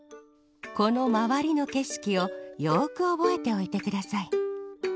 このまわりのけしきをよくおぼえておいてください。